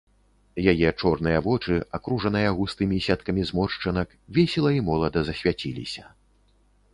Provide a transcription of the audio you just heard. Яе чорныя вочы, акружаныя густымі сеткамі зморшчынак, весела і молада засвяціліся.